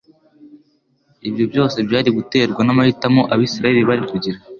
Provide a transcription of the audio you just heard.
Ibyo byose byari guterwa n'amahitamo Abisirayeli bari kugira